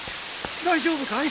大丈夫かい？